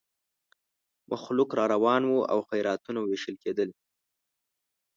مخلوق را روان وو او خیراتونه وېشل کېدل.